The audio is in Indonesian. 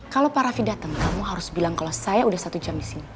kalau pak raffi datang kamu harus bilang kalau saya udah satu jam di sini